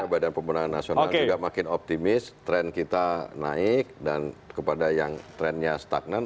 badan pemenangan nasional juga makin optimis tren kita naik dan kepada yang trendnya stagnan